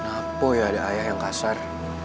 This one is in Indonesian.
napo ya ada ayah yang kasar